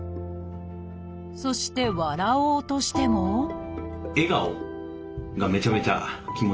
そして笑おうとしても笑顔がめちゃめちゃ気持ち悪い。